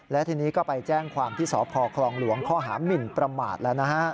และทีนี้ก็ไปแจ้งความที่สพคลองหลวงข้อหามินประมาทแล้วนะฮะ